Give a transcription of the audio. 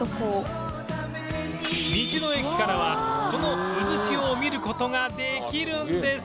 道の駅からはそのうずしおを見る事ができるんです